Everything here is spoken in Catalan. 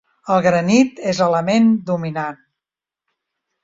El granit és l'element dominant.